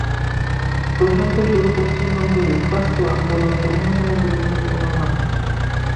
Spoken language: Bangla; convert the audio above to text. প্রশান্ত সুর পশ্চিমবঙ্গের উদ্বাস্তু আন্দোলনের অন্যতম গুরুত্বপূর্ণ নাম।